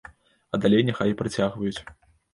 А далей няхай працягваюць.